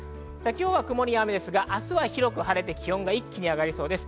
今日は曇りや雨ですが、明日は広く晴れて気温が一気に上がりそうです。